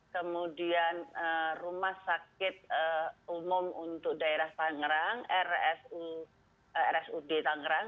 kemudian rumah sakit umum untuk daerah tangerang rsud tangerang